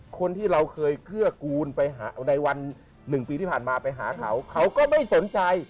คนที่เราเคยเกื้อกูลไปหาในวัน๑ปีที่ผ่านมาไปหาเขาเขาก็ไม่สนใจ